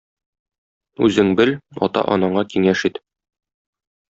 Үзең бел, ата-анаңа киңәш ит.